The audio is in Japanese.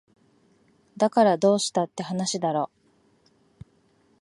だからどうしたって話だろ